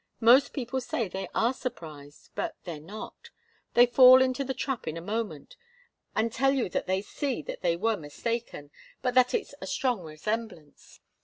Most people say they are surprised, but they're not. They fall into the trap in a moment, and tell you that they see that they were mistaken, but that it's a strong resemblance.